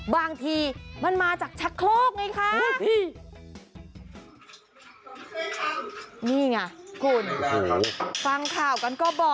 บางทีมันมาจากชักโลกไงค่ะ